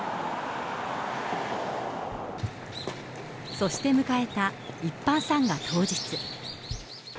そして迎えた一般参賀当日。